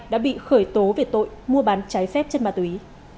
đã bị khởi tố về tội mua bán trái phép chất ma túy